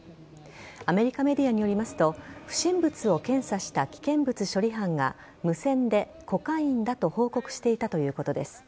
アメリカメディアによりますと不審物を検査した危険物処理班が無線で、コカインだと報告していたということです。